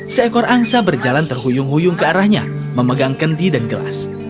seekor angsa berjalan terhuyung huyung ke arahnya memegang kendi dan gelas